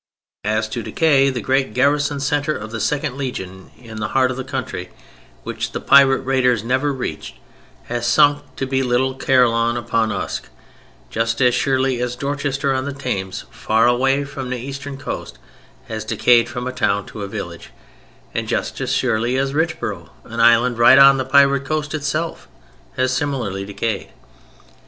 As to decay, the great garrison centre of the Second Legion, in the heart of the country which the pirate raiders never reached, has sunk to be little Caerleon upon Usk, just as surely as Dorchester on the Thames, far away from the eastern coast, has decayed from a town to a village, and just as surely as Richboro', an island right on the pirate coast itself, has similarly decayed!